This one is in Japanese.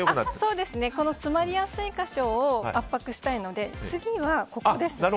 この詰まりやすい箇所を圧迫したいので次は、ここですね。